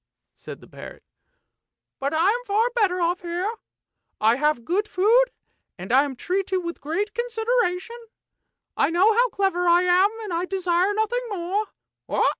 " said the parrot; " but I'm far better off here; I have good food, and I am treated with great consideration. I know how clever I am, and I desire nothing more.